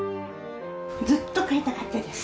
ずっと飼いたかったです。